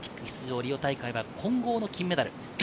リオ大会は混合の金メダル。